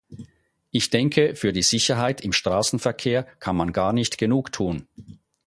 Ich denke, für die Sicherheit im Straßenverkehr kann man gar nicht genug tun.